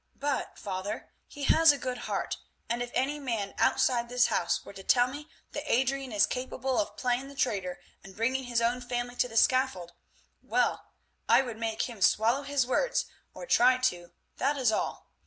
But, father, he has a good heart, and if any man outside this house were to tell me that Adrian is capable of playing the traitor and bringing his own family to the scaffold, well, I would make him swallow his words, or try to, that is all.